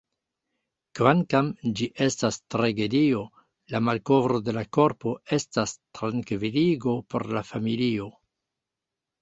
Kvankam ĝi estas tragedio, la malkovro de la korpo estas trankviligo por la familio.